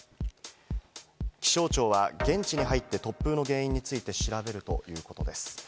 気象庁は現地に入って突風の原因について調べるということです。